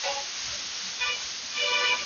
تر څو هغوی د يوازيوالي احساس ونکړي.